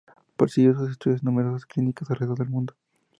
Prosiguió sus estudios en numerosas clínicas alrededor del mundo.